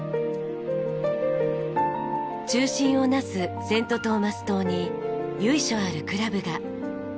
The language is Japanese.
中心を成すセント・トーマス島に由緒あるクラブが。